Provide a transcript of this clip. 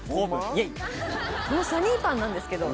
このサニーパンなんですけど。